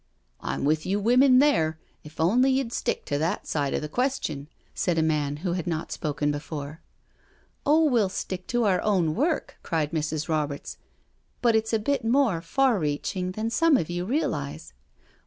'* I'm with you women there, if only you'd stick to that side of the question/' said a man who had not spoken before. " Oh, we'll stick to our own work," cried Mrs. Roberts, " but it's a bit more far reaching than some of you realise.